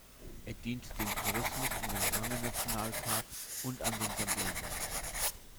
Er dient dem Tourismus in den Hwange-Nationalpark und an den Sambesi.